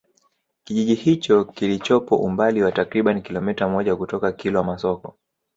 Kijiji hicho kilichopo umbali wa takribani kilometa moja kutoka Kilwa Masoko